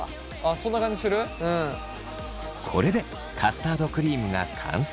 これでカスタードクリームが完成。